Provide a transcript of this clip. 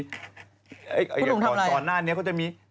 พูดถึงทำอะไรพูดถึงทำอะไรตอนหน้านี้เขาจะมี